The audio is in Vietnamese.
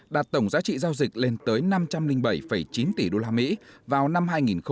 đạt tổng giá trị giao dịch lên tới năm trăm linh bảy chín tỷ usd vào năm hai nghìn hai mươi